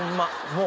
もう。